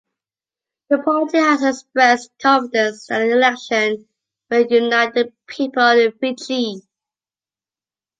The party has expressed confidence that the election will unite the people of Fiji.